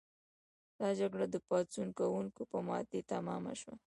دا جګړه د پاڅون کوونکو په ماتې تمامه شوه.